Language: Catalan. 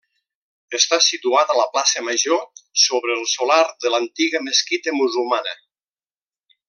Està situat a la plaça Major, sobre el solar de l'antiga mesquita musulmana.